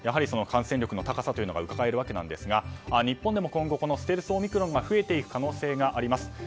感染力の高さがうかがえるわけなんですが日本でも今後このステルスオミクロンが増えていく可能性があります。